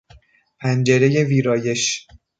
پنجرهی ویرایش